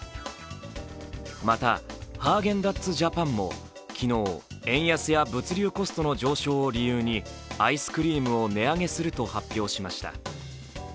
また、ハーゲンダッツジャパンも昨日、円安や物流コストの上昇を理由にアイスクリームを値上げすると発表しました。